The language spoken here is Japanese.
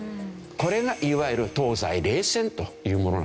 これがいわゆる東西冷戦というものなんですね。